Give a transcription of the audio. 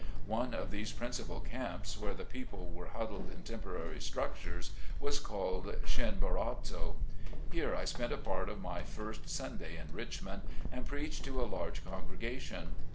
One of these principal camps, where the people were huddled in temporary structures, was called Schinnborazzo. Here I spent a part of my first Sun day in Richmond, and preached to a large congrega tion.